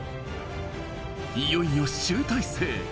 いよいよ集大成。